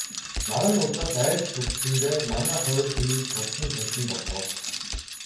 Наран улсаас айж сүрдсэндээ манай хоёр хүнийг суллан тавьсан болохоос...